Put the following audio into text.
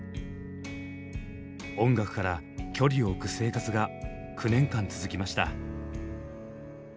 音楽から距離を置く生活が９年間続きました。